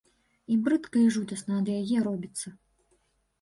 І брыдка і жудасна ад яе робіцца.